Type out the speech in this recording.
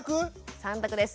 ３択です。